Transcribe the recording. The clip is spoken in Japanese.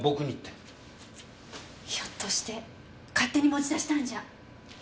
ひょっとして勝手に持ち出したんじゃ。